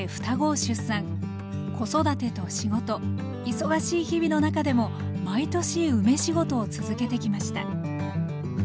子育てと仕事忙しい日々の中でも毎年梅仕事を続けてきました